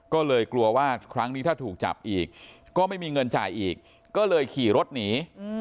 ก็เลยกลัวว่าครั้งนี้ถ้าถูกจับอีกก็ไม่มีเงินจ่ายอีกก็เลยขี่รถหนี